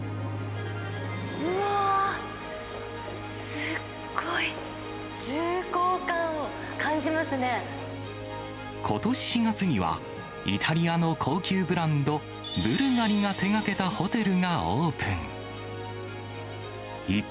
うわー、すっごい、ことし４月には、イタリアの高級ブランド、ブルガリが手がけたホテルがオープン。